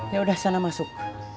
ya udah sana masuk